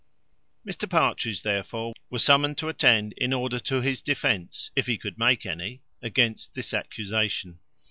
Mr Partridge, therefore, was summoned to attend, in order to his defence (if he could make any) against this accusation.